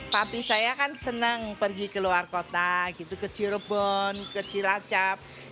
papi saya kan senang pergi ke luar kota gitu ke cirebon ke cilacap